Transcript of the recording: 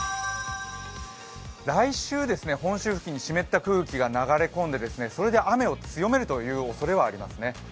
来週、本州付近に湿った空気が流れ込んで、それで雨を強めるというおそれはありますね。